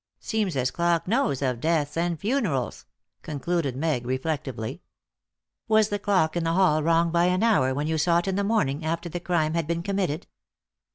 Seems as clock knows of deaths and funerals," concluded Meg reflectively. "Was the clock in the hall wrong by an hour when you saw it in the morning after the crime had been committed?"